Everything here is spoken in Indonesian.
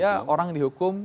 ya orang dihukum